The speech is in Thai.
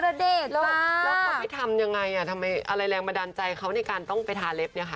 แล้วเขาไม่ทำยังไงอ่ะทำไมอะไรแรงบันดาลใจเขาในการต้องไปทาเล็บเนี่ยค่ะ